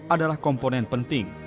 adalah komponen penting